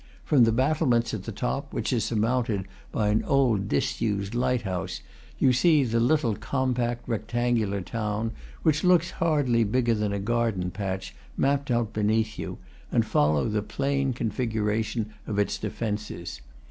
From the battlements at the top, which is surmounted by an old disused light house, you see the little com pact rectangular town, which looks hardly bigger than a garden patch, mapped out beneath you, and follow the plain configuration of its defences.